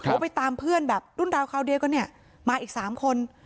เขาไปตามเพื่อนแบบรุ่นราวคราวเดียวกันเนี่ยมาอีกสามคน